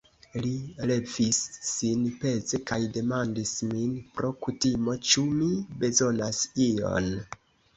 Li levis sin peze kaj demandis min, pro kutimo, ĉu mi bezonas ion.